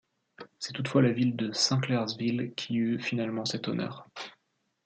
C'est toutefois la ville de Saint Clairsville qui eut finalement cet honneur.